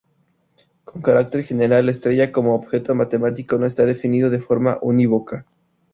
Con carácter general, la estrella, como objeto matemático, no está definido de forma unívoca.